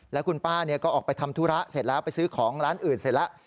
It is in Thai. แล้วคุณป้าก็ออกไปทำธุระเสร็จแล้วไปซื้อของร้านอื่นเสร็จแล้ว